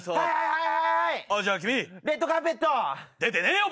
はい。